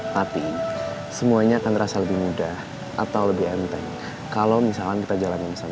tapi semuanya akan terasa lebih mudah atau lebih enteng kalau misalkan kita jalanin sama